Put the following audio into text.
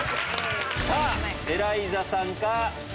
さぁエライザさんか？